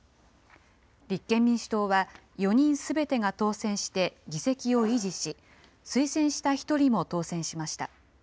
立憲民主党は４人すべてが当選して、議席を維持し、推薦した１人も当選しました。